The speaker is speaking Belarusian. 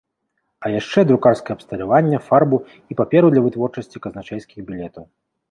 А яшчэ друкарскае абсталяванне, фарбу і паперу для вытворчасці казначэйскіх білетаў.